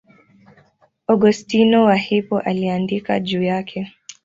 Augustino wa Hippo aliandika juu yake.